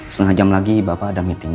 setengah jam lagi bapak ada meeting